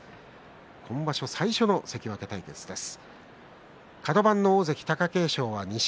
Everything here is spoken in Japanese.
今場所、初めての関脇対決です。